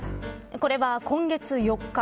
これは今月４日。